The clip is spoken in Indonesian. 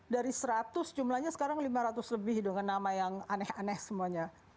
dari seratus jumlahnya sekarang lima ratus lebih dengan nama yang aneh aneh semuanya